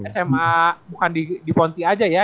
sma bukan di ponti aja ya